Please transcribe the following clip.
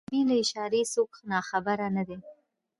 د نبي له اشارې څوک ناخبر نه دي.